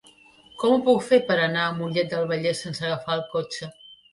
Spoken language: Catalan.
Com ho puc fer per anar a Mollet del Vallès sense agafar el cotxe?